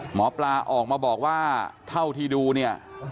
หมอปลาออกมาบอกว่าเท่าที่ดูเนี่ย